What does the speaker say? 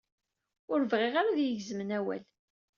Ur bɣiɣ ara ad ayigezemen awal